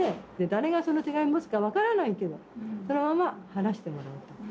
誰がその手紙持つかわからないけどそのまま離してもらうと。